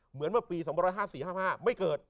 เหมือนเมื่อปี๒๕๔๕๕ไม่เกิด